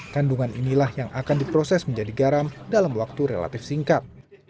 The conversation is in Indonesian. kandungan inilah yang akan diproses menjadi garam dalam waktu relatif singkat